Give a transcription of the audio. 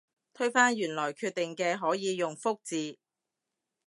推翻原來決定嘅可以用覆字